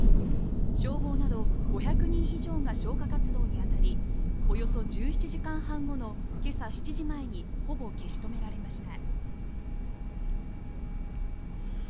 消防など５００人以上が消火活動に当たりおよそ１７時間半後の今朝７時前にほぼ消し止められました。